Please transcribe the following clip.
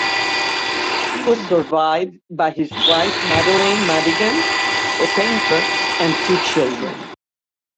He was survived by his wife, Madeleine Madigan, a painter, and two children.